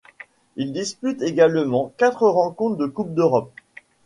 Il dispute également quatre rencontres de Coupe d'Europe.